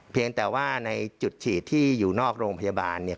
เพียงแต่ว่าในจุดฉีดที่อยู่นอกโรงพยาบาลเนี่ย